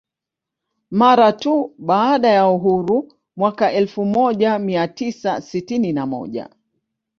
Mara tu baada ya uhuru mwaka elfu moja mia tisa sitini na moja